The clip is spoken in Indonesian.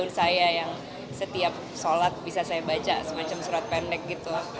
saya tidak mau membaca ayat ayat yang setiap sholat bisa saya baca semacam surat pendek gitu